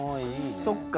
そっか。